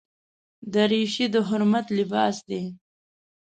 دریشي د حرمت لباس دی.